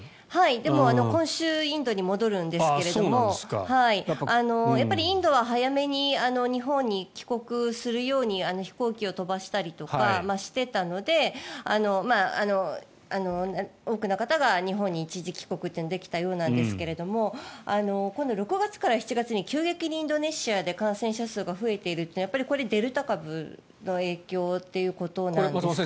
でも今週インドに戻るんですけどインドは早めに日本に帰国するように飛行機を飛ばしたりとかしていたので多くの方が日本に一時帰国ができたようなんですけど今度６月から７月に急激にインドネシアで感染者数が増えているというのはデルタ株の影響ということなんですかね？